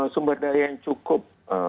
sumber daya yang cukup